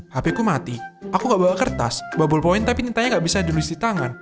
hp ku mati aku gak bawa kertas bawa ballpoint tapi nintanya gak bisa dilisih tangan